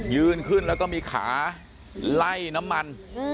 ยืนขึ้นแล้วก็มีขาไล่น้ำมัน